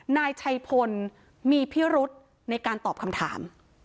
นายชัยพลมีพิรุธในการตอบคำถาม